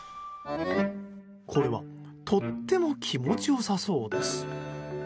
これはとても気持ち良さそうです。